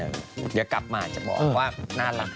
เดี๋ยวกลับมาจะบอกว่าน่ารักขนาดนั้น